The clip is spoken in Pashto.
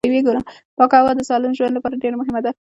پاکه هوا د سالم ژوند لپاره ډېره مهمه ده